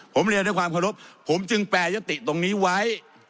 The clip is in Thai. ผมเรียนได้ความขอลบผมจึงแปรยติตรงนี้ไว้